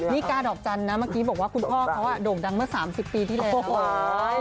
นิกาดอกจันทร์นะเมื่อกี้บอกว่าคุณพ่อเขาโด่งดังเมื่อ๓๐ปีที่แล้ว